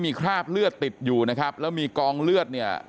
มีคราบเลือดติดอยู่นะครับแล้วมีกองเลือดเนี่ย